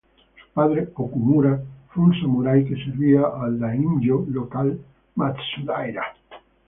Su padre, Okumura, fue un samurái que servía al daimyō local Matsudaira.